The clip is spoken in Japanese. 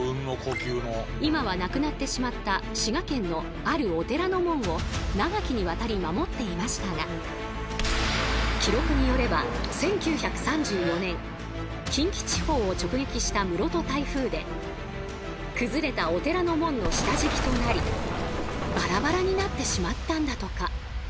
今はなくなってしまった滋賀県のあるお寺の門を長きにわたり守っていましたが記録によれば１９３４年近畿地方を直撃した室戸台風で崩れたお寺の門の下敷きとなりバラバラになってしまったんだとか。